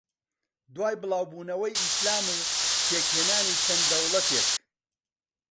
دوای بڵاوبونەوەی ئیسلام و پێکھێنانی چەند دەوڵەتێک